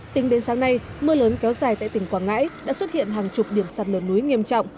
tính đến sáng nay mưa lớn kéo dài tại tỉnh quảng ngãi đã xuất hiện hàng chục điểm sạt lở núi nghiêm trọng